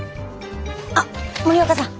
あっ森若さん